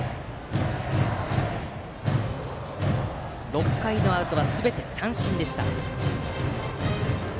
６回のアウトはすべて三振でした。